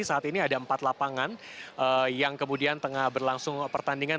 saat ini ada empat lapangan yang kemudian tengah berlangsung pertandingan